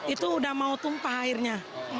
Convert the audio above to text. itu udah mau tumpah airnya